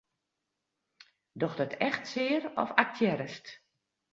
Docht it echt sear of aktearrest?